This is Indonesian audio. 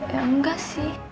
ya enggak sih